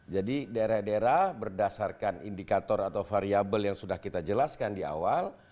jadi daerah daerah berdasarkan indikator atau variable yang sudah kita jelaskan di awal